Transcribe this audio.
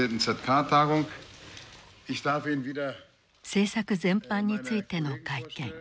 政策全般についての会見。